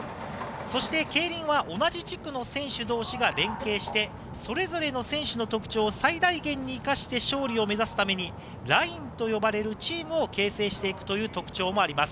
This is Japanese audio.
競輪は同じ地区の選手同士が連携して、それぞれの選手の特徴を最大限に生かして勝利を目指すために、ラインと呼ばれるチームを形成していく特徴もあります。